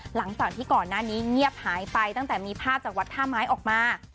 หลังจากที่ก่อนหน้านี้เงียบหายไปตั้งแต่มีภาพจากวัดท่าไม้ออกมา